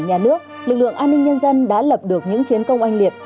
nhà nước lực lượng an ninh nhân dân đã lập được những chiến công oanh liệt